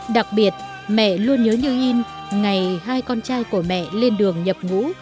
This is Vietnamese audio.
đặc biệt mẹ luôn nhớ như in ngày hai con trai của mẹ lên đường nhập ngũ